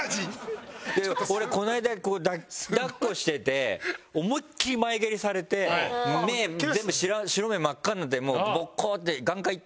俺こないだ抱っこしてて思いっ切り前蹴りされて目全部白目真っ赤になってぼっこって眼科行った。